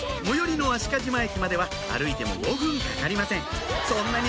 最寄りの海鹿島駅までは歩いても５分かかりません